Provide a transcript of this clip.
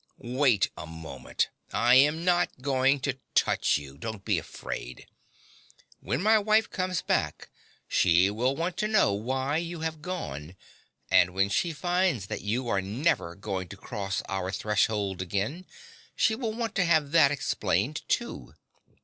Wait a moment: I am not going to touch you: don't be afraid. When my wife comes back she will want to know why you have gone. And when she finds that you are never going to cross our threshold again, she will want to have that explained, too.